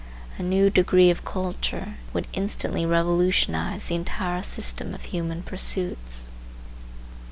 A new degree of culture would instantly revolutionize the entire system of human pursuits.